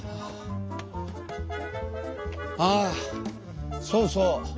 あそうそう。